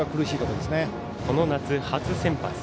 この夏、初先発。